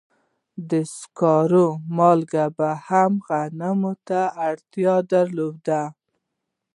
د سکارو مالک به هم غنمو ته اړتیا درلوده